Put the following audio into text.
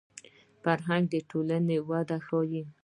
فرهنګ د ټولنې وده ښيي